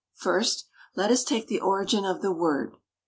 First, let us take the origin of the word.